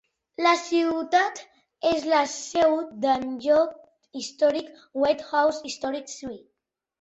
La ciutat és la seu del lloc històric Wade House Historic Site.